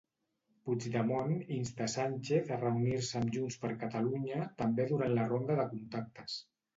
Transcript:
Puigdemont insta Sánchez a reunir-se amb JxCat també durant la ronda de contactes.